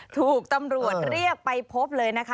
ถูกตำรวจเรียกไปพบเลยนะคะ